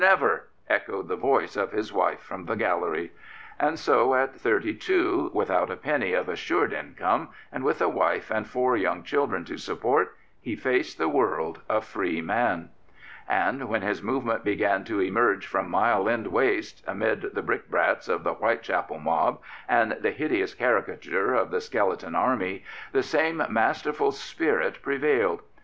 "Never!" echoed the voice of his wife from the gallery. And so, at thirty two, without a penny of assured income, and with a wife and four young children to support, he faced the world, a free man. And when his movement began to emerge from Mile End Waste, amid the brickbats of the White chapel mob and the hideous caricature of the Skeleton Army, the same masterful spirit prevailed.